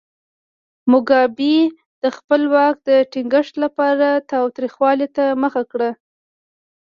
موګابي د خپل واک ټینګښت لپاره تاوتریخوالي ته مخه کړه.